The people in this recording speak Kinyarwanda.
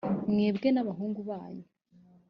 mwebwe n’abahungu banyu,